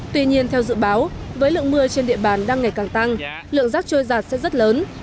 tuy nhiên theo dự báo với lượng mưa trên địa bàn đang ngày càng tăng lượng rác trôi giạt sẽ rất lớn